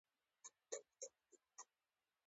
د وظیفې تحلیل د معیارونو د پیژندنې پروسه ده.